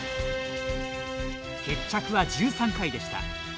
決着は１３回でした。